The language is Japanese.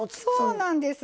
そうなんです。